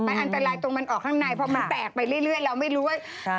มันอันตรายตรงมันออกข้างในเพราะมันแตกไปเรื่อยเราไม่รู้ว่า